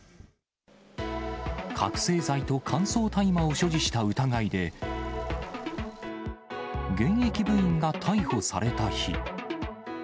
覚醒剤と乾燥大麻を所持した疑いで、現役部員が逮捕された日。